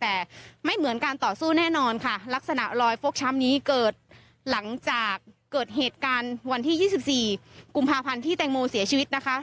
แต่ไม่เหมือนการต่อสู้แน่นอนค่ะลักษณะรอยฟกช้ำนี้เกิดหลังจากเกิดเหตุการณ์วันที่๒๔กุมภาพันธ์ที่แตงโมเสียชีวิตนะคะ